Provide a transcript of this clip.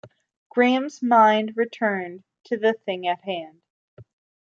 Graham’s mind returned to the thing at hand.